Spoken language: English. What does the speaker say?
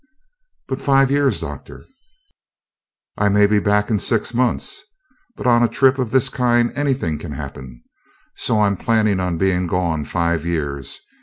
"But five years, Doctor!" "I may be back in six months. But on a trip of this kind anything can happen, so I am planning on being gone five years.